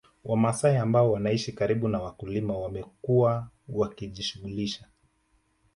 Wamasai ambao wanaishi karibu na wakulima wamekuwa wakijishughulisha